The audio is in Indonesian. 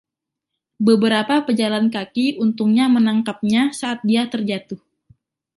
Beberapa pejalan kaki untungnya menangkapnya saat dia terjatuh.